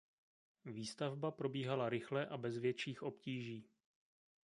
Výstavba probíhala rychle a bez větších obtíží.